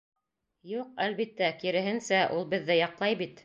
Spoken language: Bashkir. Юҡ, әлбиттә, киреһенсә, ул беҙҙе яҡлай бит.